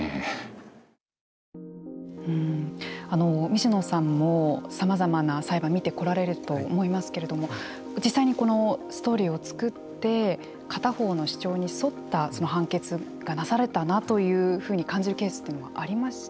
水野さんもさまざまな裁判見てこられると思いますけれども実際にストーリーを作って片方の主張に沿った判決がなされたなというふうに感じるケースというのはありましたか。